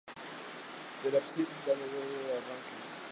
Del ábside, del que sólo se observa el arranque.